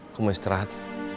aku mau istirahat